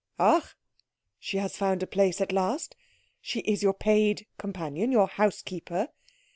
"Ach? She has found a place at last? She is your paid companion? Your housekeeper?"